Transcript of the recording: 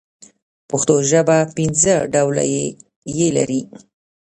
پښتو ژبه پنځه ډوله ي لري.